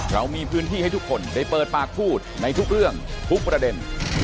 เรามีพื้นที่ให้ทุกคนได้เปิดปากพูดในทุกเรื่องทุกประเด็น